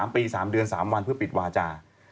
๓ปี๓เดือน๓วันเพื่อปิดวาจา